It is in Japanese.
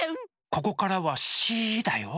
ここからはシーだよ。